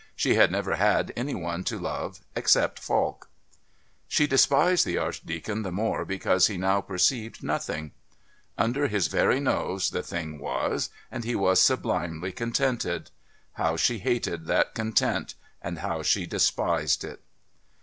She had never had any one to love except Falk. She despised the Archdeacon the more because he now perceived nothing. Under his very nose the thing was, and he was sublimely contented. How she hated that content, and how she despised it!